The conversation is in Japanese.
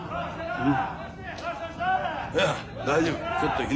うん。